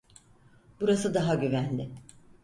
Burası daha güvenli.